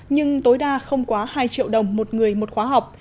nhưng tối đa không quá hai triệu đồng một người một khóa học